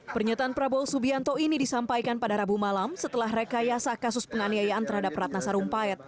pernyataan prabowo subianto ini disampaikan pada rabu malam setelah rekayasa kasus penganiayaan terhadap ratna sarumpayat